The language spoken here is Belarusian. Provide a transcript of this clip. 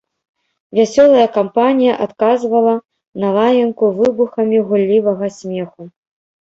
Вясёлая кампанія адказвала на лаянку выбухамі гуллівага смеху.